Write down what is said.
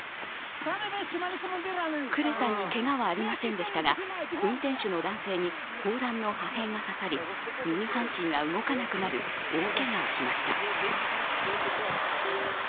クレさんにけがはありませんでしたが、運転手の男性に砲弾の破片が刺さり右半身が動かなくなる大けがをしました。